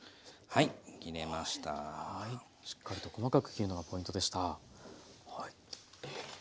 はいしっかりと細かく切るのがポイントでした。